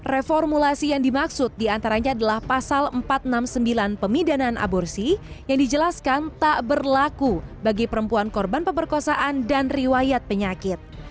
reformulasi yang dimaksud diantaranya adalah pasal empat ratus enam puluh sembilan pemidanaan aborsi yang dijelaskan tak berlaku bagi perempuan korban pemerkosaan dan riwayat penyakit